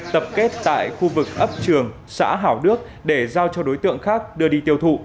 tập kết tại khu vực ấp trường xã hảo đức để giao cho đối tượng khác đưa đi tiêu thụ